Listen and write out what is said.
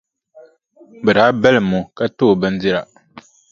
Bɛ daa balim o ka ti o bindira.